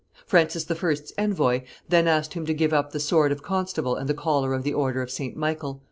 Francis I.'s envoy then asked him to give up the sword of constable and the collar of the order of St. Michael.